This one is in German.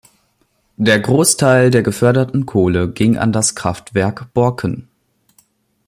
Der Großteil der geförderten Kohle ging an das Kraftwerk Borken.